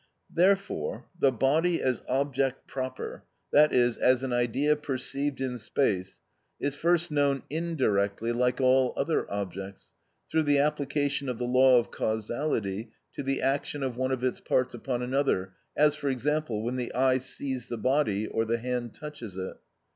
Therefore the body as object proper, that is, as an idea perceived in space, is first known indirectly, like all other objects, through the application of the law of causality to the action of one of its parts upon another, as, for example, when the eye sees the body or the hand touches it.